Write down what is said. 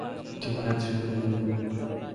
ঠিক আছে, মেবি।